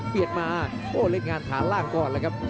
เปลี่ยนมาโอ้เล่นงานถานล่างก่อนล่ะครับ